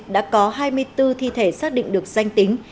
đã có hai mươi bốn thi thể xác định được danh tính